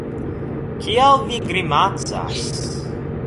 Kial vi grimacas?